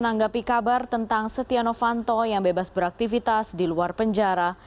menanggapi kabar tentang setia novanto yang bebas beraktivitas di luar penjara